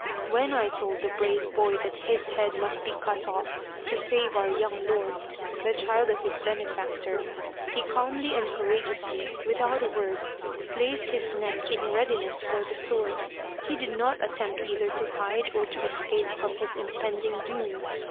" When I told the brave boy that his head must be cut off to save our young lord, the child of his bene factor, he calmly and courageously, without a word, placed his neck in readiness for the sword he did not attempt either to hide or to escape from his impending doom.